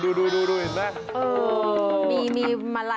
มีมาลัยเล่าเรื่องของเคราโหน่ารัก